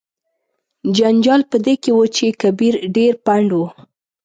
جنجال په دې کې و چې کبیر ډیر پنډ و.